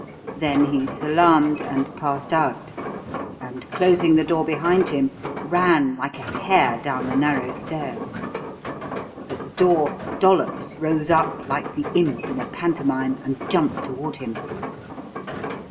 Then he salaamed and passed out; and, closing the door behind him, ran like a hare down the narrow stairs. At the door Dollops rose up like the imp in a pantomime and jumped toward him.